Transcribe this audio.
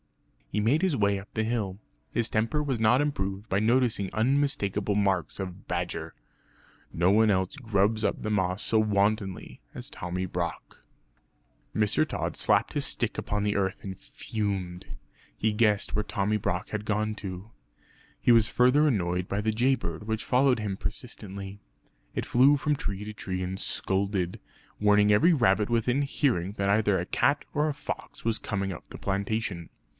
He made his way up the hill; his temper was not improved by noticing unmistakable marks of badger. No one else grubs up the moss so wantonly as Tommy Brock. Mr. Tod slapped his stick upon the earth and fumed; he guessed where Tommy Brock had gone to. He was further annoyed by the jay bird which followed him persistently. It flew from tree to tree and scolded, warning every rabbit within hearing that either a cat or a fox was coming up the plantation.